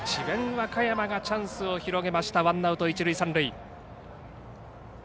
和歌山がチャンスを広げました、ワンアウト一塁三塁。